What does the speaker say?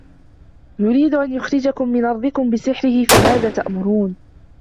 يُرِيدُ أَنْ يُخْرِجَكُمْ مِنْ أَرْضِكُمْ بِسِحْرِهِ فَمَاذَا تَأْمُرُونَ